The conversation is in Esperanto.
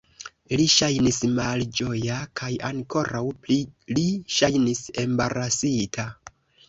Li ŝajnis malĝoja kaj ankoraŭ pli li ŝajnis embarasita.